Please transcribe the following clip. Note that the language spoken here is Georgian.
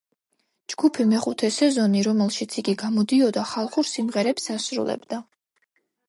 ჯგუფი „მეხუთე სეზონი“, რომელშიც იგი გამოდიოდა, ხალხურ სიმღერებს ასრულებდა.